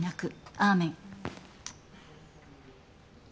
アーメン。